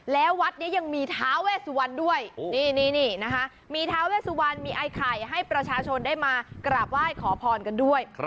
และวัดนี้ยังมีท้าแว่สุวรรณด้วยมีท้าแว่สุวรรณมีไอไข่ให้ประชาชนได้มากราบไหว้ขอพรกันด้วย